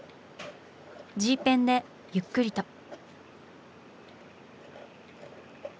Ｇペンでゆっくりと。